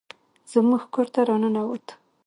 زموږ کور ته راننوت